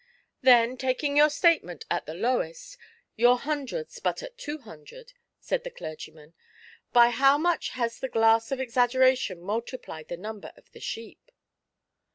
" Then, taking your statement at the lowest^ your hundreds but at two hundred," said the dei^gyman, " by how much has the glass of exaggeration multiplied the number of the sheep